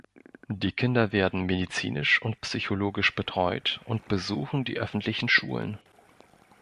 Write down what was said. Die Kinder werden medizinisch und psychologisch betreut und besuchen die öffentlichen Schulen.